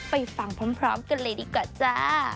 ไปฟังพร้อมกันเลยดีกว่าจ้า